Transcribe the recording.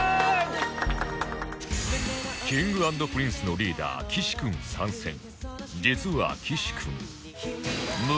Ｋｉｎｇ＆Ｐｒｉｎｃｅ のリーダー岸君参戦実は岸君